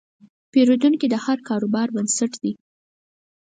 پیرودونکی د هر کاروبار بنسټ دی.